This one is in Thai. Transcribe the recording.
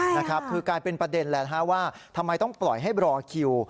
ใช่ค่ะคือการเป็นประเด็นแหละนะครับว่าทำไมต้องปล่อยให้รอคิว